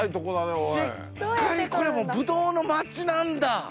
しっかりこれもうブドウの町なんだ。